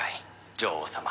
女王様」